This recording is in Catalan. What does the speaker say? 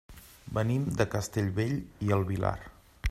Venim de Castellbell i el Vilar.